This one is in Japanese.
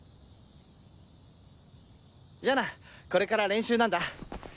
じゃあなこれから練習なんだ。